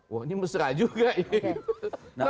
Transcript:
wah ini mesra juga